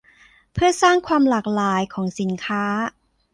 เพื่อสร้างความหลากหลายของสินค้า